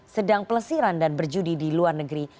sedang pelesiran dan berjudi di luar negeri